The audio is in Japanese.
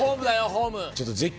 ホーム。